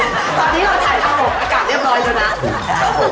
ตอนนี้เราถ่ายทั้ง๖อากาศเรียบร้อยดูนะ